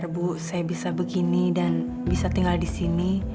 ya bu saya sadar saya bisa begini dan bisa tinggal di sini